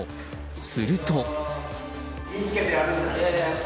すると。